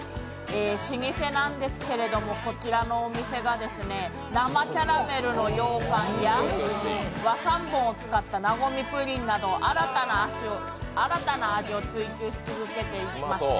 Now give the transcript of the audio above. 老舗なんですけども、こちらのお店が生キャラメルのようかんや和三盆を使った和ぷりんなど新たな味を追求し続けていますね。